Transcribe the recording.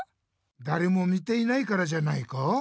だれも見ていないからじゃないか？